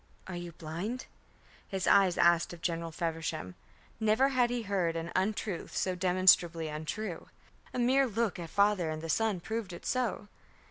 "Are you blind?" his eyes asked of General Feversham. Never had he heard an untruth so demonstrably untrue. A mere look at the father and the son proved it so.